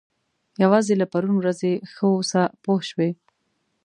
یوازې له پرون ورځې ښه واوسه پوه شوې!.